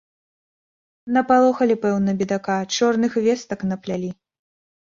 Напалохалі, пэўна, бедака, чорных вестак наплялі!